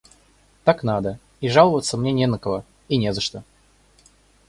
Так надо, и жаловаться мне не на кого и не за что.